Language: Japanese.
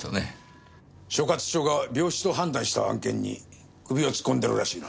所轄署が病死と判断した案件に首を突っ込んでるらしいな。